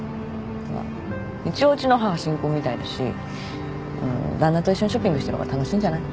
ほら一応うちの母新婚みたいだしだんなと一緒にショッピングしてる方が楽しいんじゃない？